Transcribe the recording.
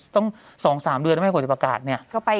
ต้อง๒๓เดือนไม่ให้เขาจะประกาศ